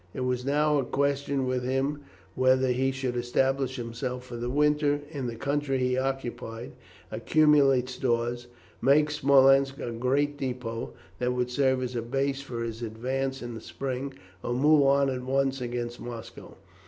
It was now a question with him whether he should establish himself for the winter in the country he occupied, accumulate stores, make Smolensk a great depôt that would serve as a base for his advance in the spring, or move on at once against Moscow.